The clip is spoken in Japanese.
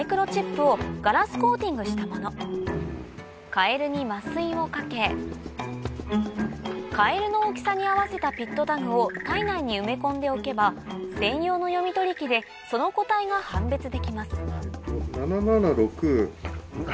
カエルに麻酔をかけカエルの大きさに合わせたピットタグを体内に埋め込んでおけば専用の読み取り機でその個体が判別できます